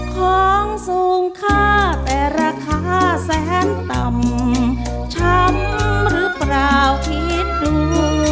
ของสูงค่าแต่ราคาแสนต่ำช้ำหรือเปล่าคิดดู